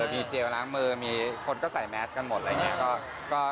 มีเจลล้างมือมีคนก็ใส่แมสกันหมดอะไรอย่างนี้